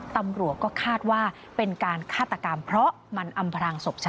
ตำรวจก็คาดว่าเป็นการ